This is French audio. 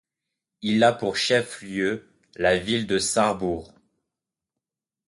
Il a pour chef-lieu la ville de Sarrebourg.